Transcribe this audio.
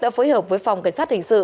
đã phối hợp với phòng cảnh sát hình sự